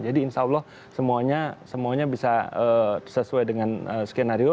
jadi insya allah semuanya bisa sesuai dengan skenario